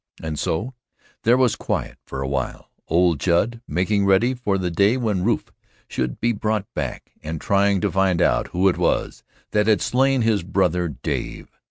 And so there was quiet for a while old Judd making ready for the day when Rufe should be brought back, and trying to find out who it was that had slain his brother Dave.